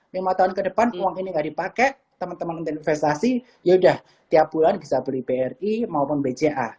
lima tahun ke depan uang ini nggak dipakai teman teman untuk investasi yaudah tiap bulan bisa beli bri maupun bca